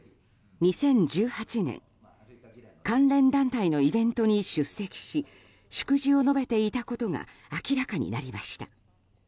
２０１８年関連団体のイベントに出席し祝辞を述べていたことが明らかになりました。